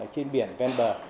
trên biển ven bờ